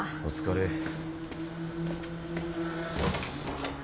お疲れ。